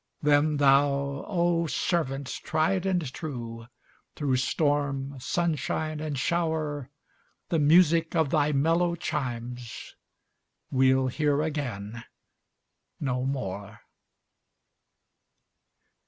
Then thou, oh, servant tried and true, Through storm, sunshine, and show'r, The music of thy mellow chimes We'll hear again no more.